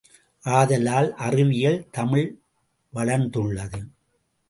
ஆதலால், அறிவியல் தமிழ் வளர்ந்துள்ளது.